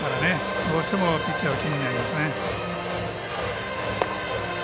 どうしてもピッチャーは気になりますね。